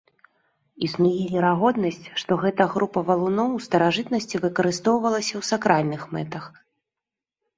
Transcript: Існуе верагоднасць, што гэта група валуноў у старажытнасці выкарыстоўвалася ў сакральных мэтах.